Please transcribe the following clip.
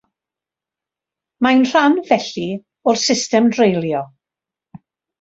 Mae'n rhan, felly, o'r system dreulio.